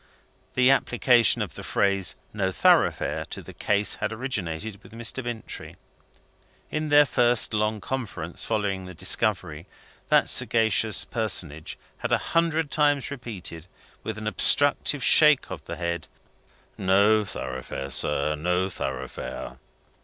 The application of the phrase No Thoroughfare to the case had originated with Mr. Bintrey. In their first long conference following the discovery, that sagacious personage had a hundred times repeated, with an obstructive shake of the head, "No Thoroughfare, Sir, No Thoroughfare.